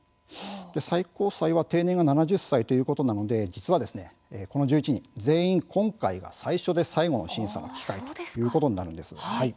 最高裁は定年が７０歳ということなので実はこの１１人全員今回が最初で最後の審査の機会ということになります。